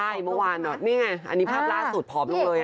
ใช่เมื่อวานนี่ไงอันนี้ภาพล่าสุดผอมลงเลย